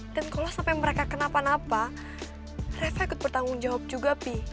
dan kalau sampai mereka kenapa napa reva ikut bertanggung jawab juga pi